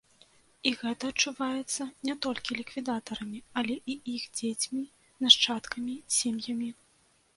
І гэта адчуваецца не толькі ліквідатарамі, але і іх дзецьмі, нашчадкамі, сем'ямі.